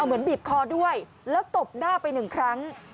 เหมือนบีบคอด้วยแล้วตบหน้าไปหนึ่งครั้ง